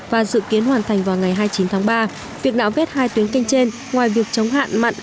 và dự kiến hoàn thành vào ngày hai mươi chín tháng ba việc nạo vét hai tuyến kênh trên ngoài việc chống hạn mặn